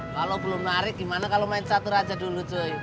kalau belum larik gimana kalau main catur aja dulu coy